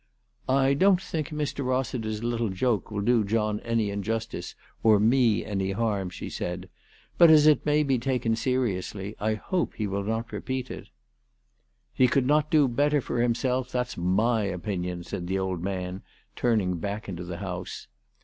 " I don't think Mr. Rossiter's little joke will do John any injustice or me any harm," she said. " But, as it may be taken seriously, I hope he will not repeat it." "He could not do better for himself. That's my opinion," said the old man, turning back into the house.